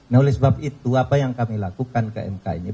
nah oleh sebab itu apa yang kami lakukan ke mk ini